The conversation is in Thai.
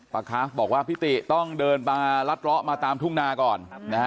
คาฟบอกว่าพี่ติต้องเดินมารัดเลาะมาตามทุ่งนาก่อนนะฮะ